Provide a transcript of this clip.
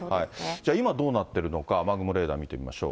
今どうなっているのか、雨雲レーダー見てみましょう。